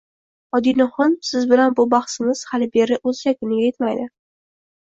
Odinaxon siz bilan bu bahsizmiz xali beri o’z yakuniga yetmaydi.